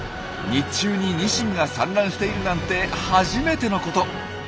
日中にニシンが産卵しているなんて初めてのこと！